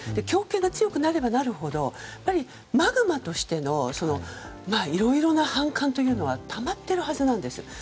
強権が強くなれば強くなるほどマグマとしてのいろいろな反感というのはたまっているはずなんです。